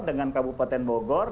dengan kabupaten bogor